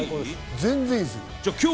全然いいです。